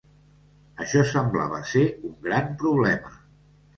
Això semblava ser un gran problema.